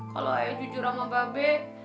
kalau saya jujur sama babi